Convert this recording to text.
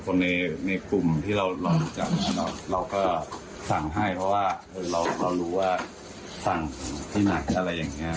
คนส่งก็คือคนในเฟสอะไรพวกนี้แหละ